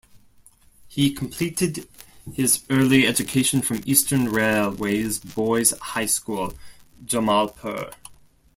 He completed his early education from Eastern Railways Boys' High School, Jamalpur.